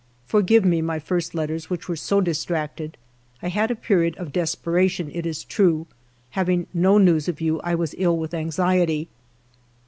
Forgive me my first letters, which were so distracted ; I had a period of desperation, it is true. Having no news of you, I was ill with anxiety.